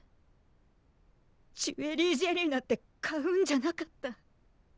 ジュエリージェリーなんて買うんじゃなかった。